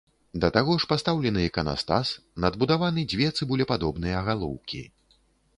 Да таго ж пастаўлены іканастас, надбудаваны дзве цыбулепадобныя галоўкі.